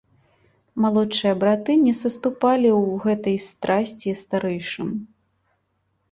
Малодшыя браты не саступалі ў гэтай страсці старэйшым.